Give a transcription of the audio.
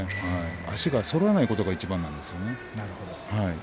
足がそろわないことがいちばんなんですよね。